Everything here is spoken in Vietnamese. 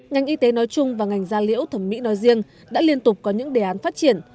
ngành y tế nói chung và ngành da liễu thẩm mỹ nói riêng đã liên tục có những đề án phát triển